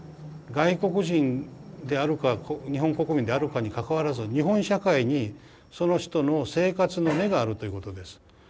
外国人であるか日本国民であるかにかかわらず日本社会にその人の生活の根があるということです。